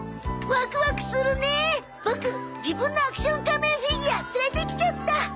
ボク自分のアクション仮面フィギュア連れてきちゃった！